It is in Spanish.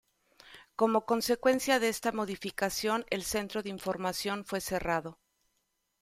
Como consecuencia de esta modificación, el centro de información fue cerrado.